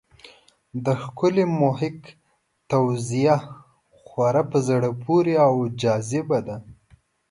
د ښاغلي محق توضیح خورا په زړه پورې او جذابه ده.